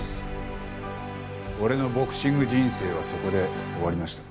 俺のボクシング人生はそこで終わりました。